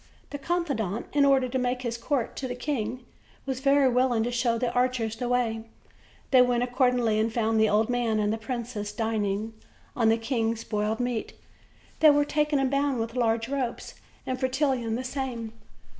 The confidant, in order to make his court to the king, was very willing to show the archers the way. They went accordingly, and found the old man and the princess dining on the king's boiled meat. They were taken and bound with large ropes, and Fretillon the same.